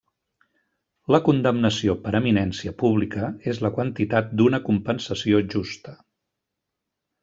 La condemnació per eminència pública és la quantitat d'una compensació justa.